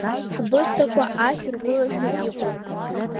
Ҳбысҭақәа ашә ргәылашәа иҟоуп.